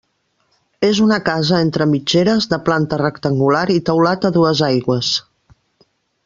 És una casa entre mitgeres de planta rectangular i teulat a dues aigües.